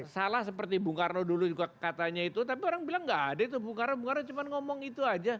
salah seperti bung karno dulu juga katanya itu tapi orang bilang gak ada itu bung karno cuma ngomong itu aja